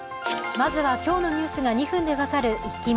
まずは今日のニュースが２分で分かる「イッキ見」。